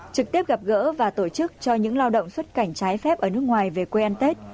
trực tiếp gặp gỡ và tổ chức cho những lao động xuất cảnh trái phép ở nước ngoài về quê ăn tết